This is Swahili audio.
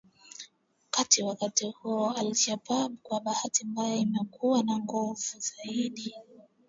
Tangu wakati huo al-Shabab kwa bahati mbaya imekuwa na nguvu zaidi.